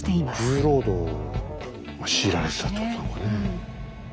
重労働を強いられてたってことなのかねえ。